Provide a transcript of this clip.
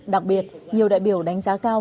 đặc biệt nhiều đại biểu đánh giá cao